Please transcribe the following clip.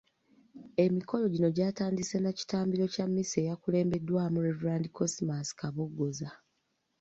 Emikolo gino gyatandise na kitambiro kya mmisa ekyakulembeddwamu Rev.Cosmas Kaboggoza.